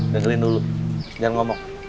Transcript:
dengelin dulu jangan ngomong